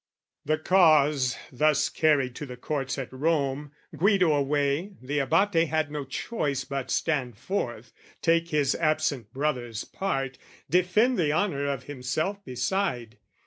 The cause thus carried to the courts at Rome, Guido away, the Abate had no choice But stand forth, take his absent brother's part, Defend the honour of himself beside.